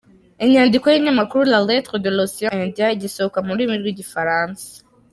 Inyandiko y’ikinyamakuru “La Lettre de l’Océan Indien” gisohoka mu rurimi rw’igifaransa: